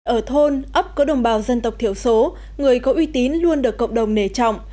ở thôn ấp có đồng bào dân tộc thiểu số người có uy tín luôn được cộng đồng nề trọng